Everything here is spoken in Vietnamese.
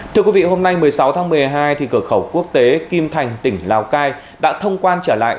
thưa quý vị hôm nay một mươi sáu tháng một mươi hai cửa khẩu quốc tế kim thành tỉnh lào cai đã thông quan trở lại